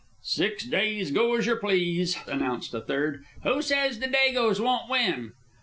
"Six days go as yer please," announced a third. "Who says the dagoes won't win?"